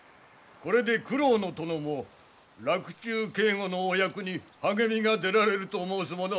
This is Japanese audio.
これで九郎の殿も洛中警護のお役に励みが出られると申すもの。